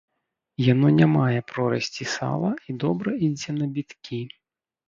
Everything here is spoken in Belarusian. Яно не мае прорасці сала і добра ідзе на біткі.